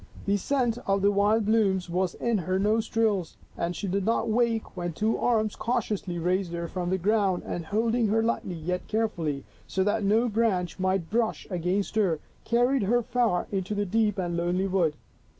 The scent of the wild blooms was in her nostrils, and she did not wake when two arms cautiously raised her from the ground and holding her lightly yet carefully, so that no branch might brush against her, carried her far into the deep and lonely wood.